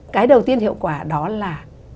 cái đầu tiên hiệu quả đó là